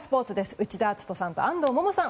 内田篤人さんと安藤萌々さん